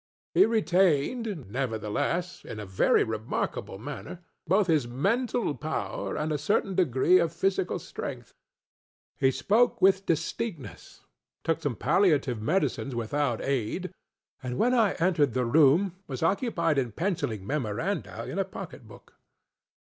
He retained, nevertheless, in a very remarkable manner, both his mental power and a certain degree of physical strength. He spoke with distinctnessŌĆötook some palliative medicines without aidŌĆöand, when I entered the room, was occupied in penciling memoranda in a pocket book.